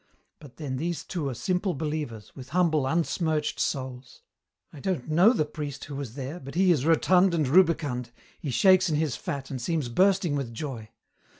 But then these two are simple believers, with humble, unsmirched souls. I don't know the priest who was there, but he is rotund and rubicund, he shakes in his fat and seems bursting with joy.